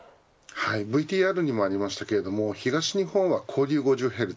ＶＴＲにもありましたが東日本は交流５０Ｈｚ